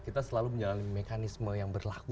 kita selalu menjalani mekanisme yang berlaku